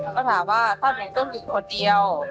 ถามว่าถ้าหนูต้องอยู่คนเดียว